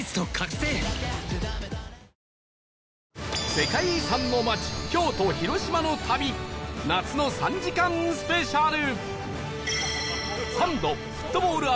世界遺産の町京都・広島の旅夏の３時間スペシャル